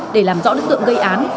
để làm rõ đối tượng gây án